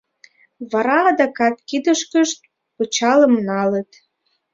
Вара адакат кидышкышт пычалым налыт.